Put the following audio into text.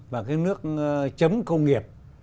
và cái nước chấm công nghiệp